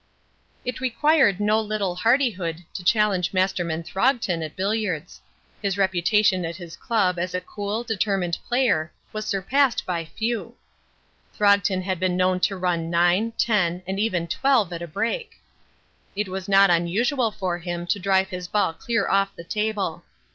It required no little hardihood to challenge Masterman Throgton at billiards. His reputation at his club as a cool, determined player was surpassed by few. Throgton had been known to run nine, ten, and even twelve at a break. It was not unusual for him to drive his ball clear off the table.